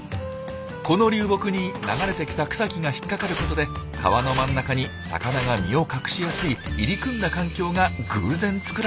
この流木に流れてきた草木が引っ掛かることで川の真ん中に魚が身を隠しやすい入り組んだ環境が偶然作られたんです。